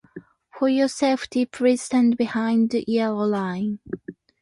For your safety, please stand behind the yellow line.